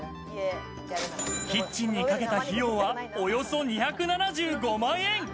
キッチンにかけた費用はおよそ２７５万円。